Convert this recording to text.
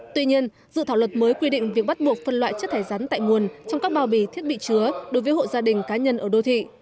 tuy nhiên dự thảo luật mới quy định việc bắt buộc phân loại chất thải rắn tại nguồn trong các bao bì thiết bị chứa đối với hộ gia đình cá nhân ở đô thị